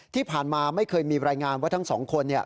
ที่ผ่านมาไม่เคยมีรายงานว่าทั้งสองคน